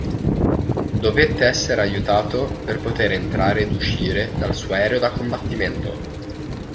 Dovette esser aiutato per poter entrare ed uscire dal suo aereo da combattimento.